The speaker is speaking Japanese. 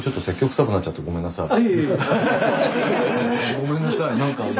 ごめんなさい何か。